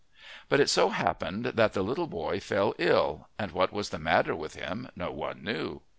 But it so happened that the little boy fell ill, and what was the matter with him no one knew.